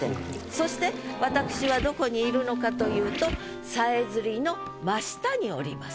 そして私はどこにいるのかというと囀りの真下におります。